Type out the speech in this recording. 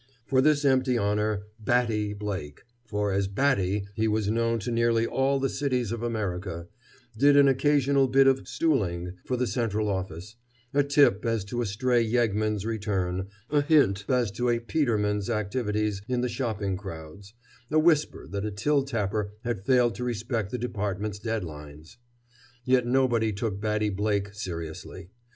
For this empty honor "Batty" Blake—for as "Batty" he was known to nearly all the cities of America—did an occasional bit of "stooling" for the Central Office, a tip as to a stray yeggman's return, a hint as to a "peterman's" activities in the shopping crowds, a whisper that a till tapper had failed to respect the Department's dead lines. Yet nobody took Batty Blake seriously.